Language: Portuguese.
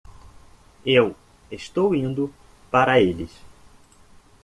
Eu estou indo para eles.